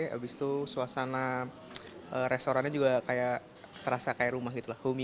habis itu suasana restorannya juga terasa kaya rumah gitu homey gitu